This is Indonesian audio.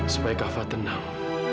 supaya kak fah tenang